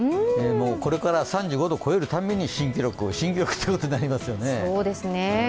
これから３５度を超えるたんびに新記録、新記録ということになりますよね。